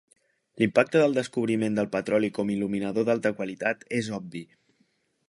L'impacte del descobriment del petroli com il·luminador d'alta qualitat és obvi.